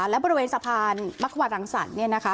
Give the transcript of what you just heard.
และบริเวณสะพานมักขวารังสรรค์เนี่ยนะคะ